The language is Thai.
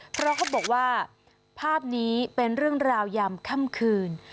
เพราะเขาบอกว่าภาพนี้เป็นเรื่องราวยามค่ำคืน